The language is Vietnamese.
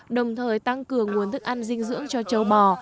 đồng thời tăng cường nguồn thức ăn dinh dưỡng cho châu bò